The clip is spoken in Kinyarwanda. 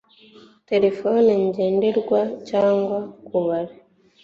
terefone ngendanwa cyangwa kubara